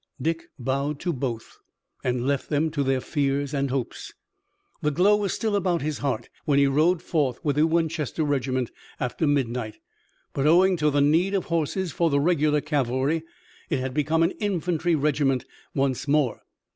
Dick bowed to both, and left them to their fears and hopes. The glow was still about his heart when he rode forth with the Winchester regiment after midnight. But, owing to the need of horses for the regular cavalry, it had become an infantry regiment once more.